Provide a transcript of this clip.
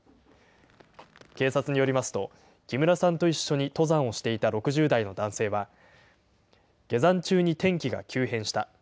警察によりますと、木村さんと一緒に登山をしていた６０代の男性は、下山中に天気が急変した。